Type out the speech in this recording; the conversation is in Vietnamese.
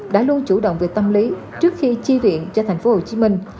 đã luôn chủ động về tâm lý trước khi chi viện cho thành phố hồ chí minh